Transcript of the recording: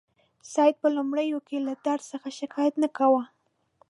سید په لومړیو کې له درد څخه شکایت نه کاوه.